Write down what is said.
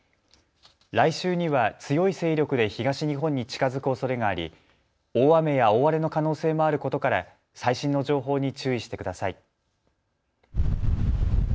来週には強い勢力で東日本に近づくおそれがあり大雨や大荒れの可能性もあることから最新の情報に注意してください。